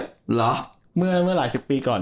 เหรอเมื่อหลายสิบปีก่อน